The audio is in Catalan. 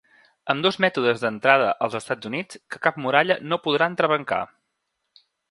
Ambdós mètodes d'entrada als Estats Units que cap muralla no podrà entrebancar.